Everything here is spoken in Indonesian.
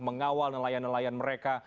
mengawal nelayan nelayan mereka